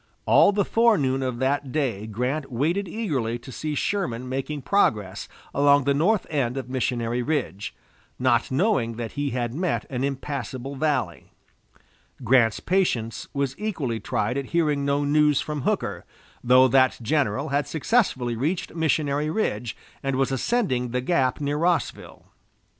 All the forenoon of that day Grant waited eagerly to see Sherman making progress along the north end of Missionary Ridge, not knowing that he had met an impassable valley. Grant's patience was equally tried at hearing no news from Hooker, though that general had successfully reached Missionary Ridge, and was ascending the gap near Rossville.